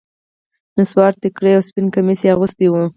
نصواري ټيکری او سپين کميس يې اغوستي وو.